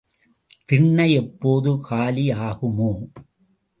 திண்ணை எப்போது காலி ஆகுமோ?